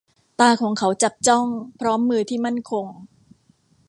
ตาของเขาจับจ้อง พร้อมมือที่มั่นคง